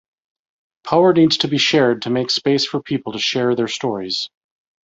Power needs to be shared to make space for people to share their stories.